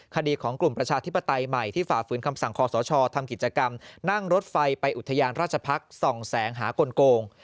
คดีของกลุ่มประชาธิปไตยใหม่ที่ฝ่าฝืนคำสั่งคอสชทำกิจกรรมนั่งรถไฟไปอุทยานราชพักษ์ส่องแสงหากลโกง